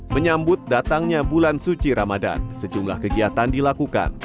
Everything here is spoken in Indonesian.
menyambut datangnya bulan suci ramadan sejumlah kegiatan dilakukan